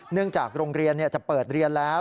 จากโรงเรียนจะเปิดเรียนแล้ว